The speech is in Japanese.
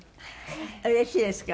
うれしいですか？